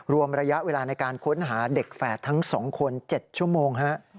รวมระยะเวลาในการค้นหาเด็กแฝดทั้ง๒คน๗ชั่วโมง